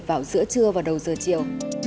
vào giữa trưa và đầu giờ chiều